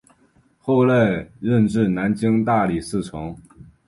后累任至南京大理寺丞。